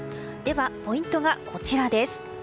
ポイントはこちらです。